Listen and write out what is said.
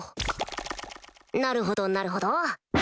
なるほどなるほど。